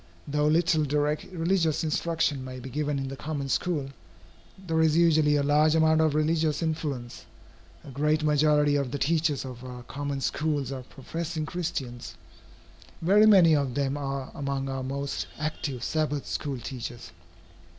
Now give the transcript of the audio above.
Though little direct religious instruction may be given in the common school, there is usually a large amount of religious influence. A great majority of the teachers of our common schools are professing Christians. Very many of them are among our most active Sabbath school teachers.